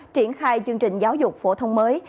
triển khai chương trình giáo dục phổ thông mới